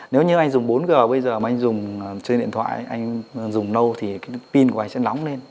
nếu như anh dùng bốn g bây giờ mà anh dùng chơi điện thoại anh dùng nâu thì pin của anh sẽ nóng lên